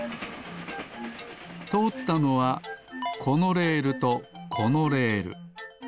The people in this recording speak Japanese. とおったのはこのレールとこのレール。